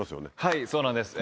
はいそうなんです。